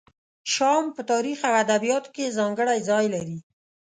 شام په تاریخ او ادبیاتو کې ځانګړی ځای لري.